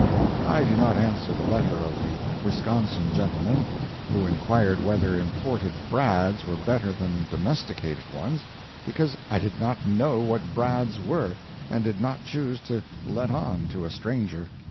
I did not answer the letter of the Wisconsin gentleman, who inquired whether imported brads were better than domestic ones, because I did not know what brads were, and did not choose to "let on" to a stranger.